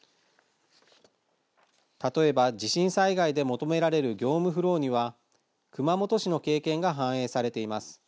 例えば、地震災害で求められる業務フローには熊本市の経験が反映されています。